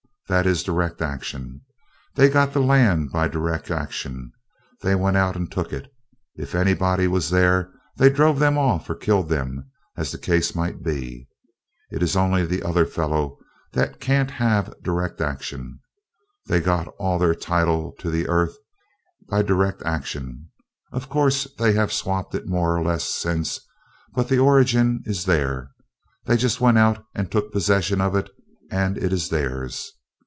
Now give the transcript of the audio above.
That is direct action. They got the land by direct action. They went out and took it. If anybody was there, they drove them off or killed them, as the case might be. It is only the other fellow that can't have direct action. They got all their title to the earth by direct action. Of course, they have swapped it more or less, since, but the origin is there. They just went out and took possession of it, and it is theirs.